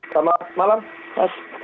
selamat malam mas